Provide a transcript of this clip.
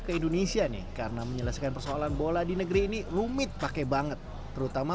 ke indonesia nih karena menyelesaikan persoalan bola di negeri ini rumit pakai banget terutama